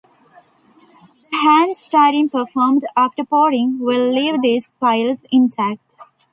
The hand-stirring performed after pouring will leave these piles intact.